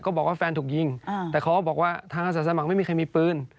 บอกว่าแฟนถูกยิงแต่เขาก็บอกว่าทางอาสาสมัครไม่มีใครมีปืน